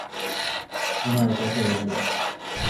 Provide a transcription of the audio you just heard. না, এটা একটা রেডিও।